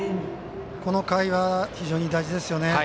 この回は非常に大事ですよね。